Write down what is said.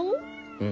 うん。